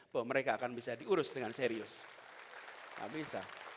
bahwa mereka akan bisa diurus dengan serius